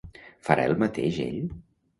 Farà el mateix ell?